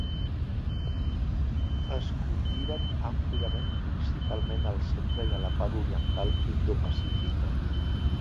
Es cultiven àmpliament principalment al centre i la part oriental Indo-Pacífica.